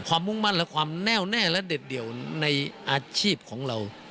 มุ่งมั่นและความแน่วแน่และเด็ดเดี่ยวในอาชีพของเรา